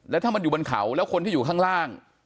แล้วถ้ามันอยู่บนเขาแล้วคนที่อยู่ข้างล่าง